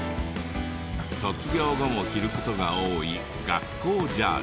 卒業後も着る事が多い学校ジャージ。